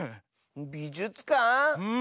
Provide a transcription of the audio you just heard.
びじゅつかん？